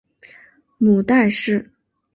母戴氏。